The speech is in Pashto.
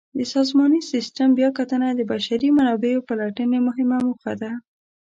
د سازماني سیسټم بیاکتنه د بشري منابعو پلټنې مهمه موخه ده.